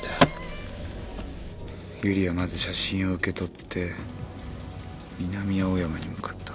由理はまず写真を受け取って南青山に向かった。